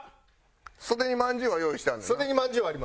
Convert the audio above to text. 袖にまんじゅうは用意してある。